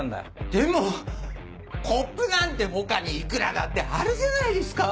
でもコップなんて他にいくらだってあるじゃないですか！